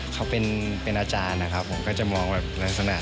เขาเป็นอาจารย์นะครับผมก็จะมองแบบลักษณะ